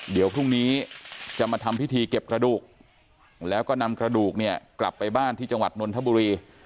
เดี๋ยวพรุ่งนี้จะมาทำพิธีเก็บกระดูกแล้วก็นำกระดูกเนี่ยกลับไปบ้านที่จังหวัดนนทบุรี